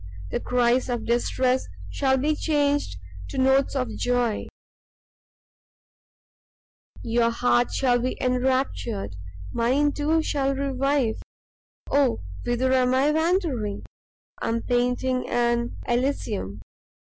The cries of distress shall be changed to notes of joy: your heart shall be enraptured, mine, too, shall revive oh whither am I wandering? I am painting an Elysium!